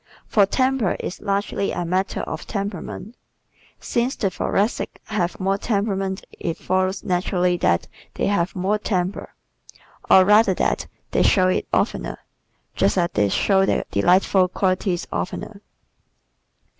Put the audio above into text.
For temper is largely a matter of temperament. Since the Thoracics have more "temperament" it follows naturally that they have more temper, or rather that they show it oftener, just as they show their delightful qualities oftener.